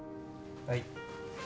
はい。